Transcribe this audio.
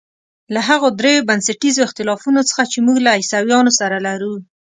له هغو درېیو بنسټیزو اختلافونو څخه چې موږ له عیسویانو سره لرو.